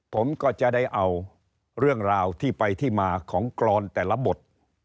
ผมก็จะได้เอาเรื่องราวที่ไปที่มาของกรอนแต่ละบท